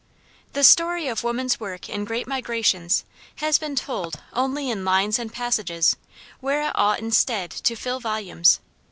The story of woman's work in great migrations has been told only in lines and passages where it ought instead to fill volumes.